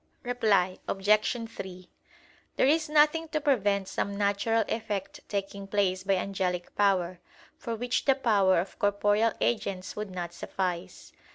Reply Obj. 3: There is nothing to prevent some natural effect taking place by angelic power, for which the power of corporeal agents would not suffice.